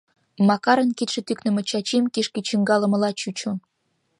Макарын кидше тӱкнымӧ Чачим кишке чӱҥгалмыла чучо...